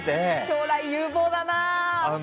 将来有望だな。